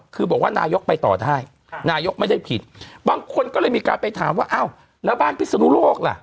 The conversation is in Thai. คือบอกว่านายกไปต่อได้นายกไม่ได้ผิดบางคนก็เลยมีการไปถามว่าอ้าวแล้วบ้านพิศนุโลกล่ะ